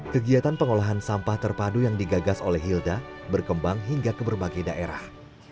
kegiatan pengolahan sampah terpadu yang digagas oleh hilda berkembang hingga ke berbagai daerah